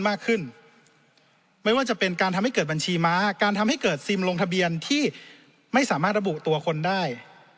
มากขึ้นไม่ว่าจะเป็นการทำให้เกิดบัญชีม้าการทำให้เกิดซิมลงทะเบียนที่ไม่สามารถระบุตัวคนได้